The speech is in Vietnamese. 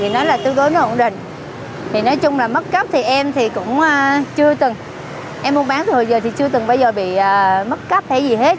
nói chung là mất cấp thì em thì cũng chưa từng em mua bán từ hồi giờ thì chưa từng bây giờ bị mất cấp hay gì hết